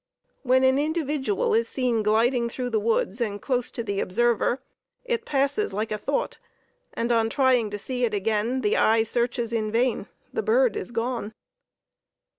When an individual is seen gliding through the woods and close to the observer, it passes like a thought, and on trying to see it again, the eye searches in vain; the bird is gone.